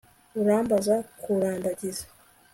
Urambaza kurambagiza